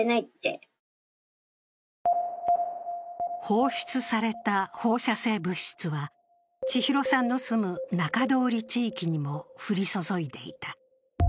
放出された放射性物質は千尋さんの住む中通り地域にも降り注いでいた。